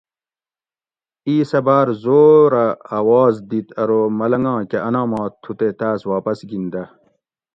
اِیس اۤ باۤر زور اۤ اواز دِیت ارو ملنگاں کہ انامات تھُو تے تاۤس واپس گِن دہ